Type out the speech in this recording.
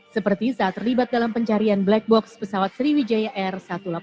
seperti saat terlibat dalam pencarian black box pesawat sriwijaya air satu ratus delapan puluh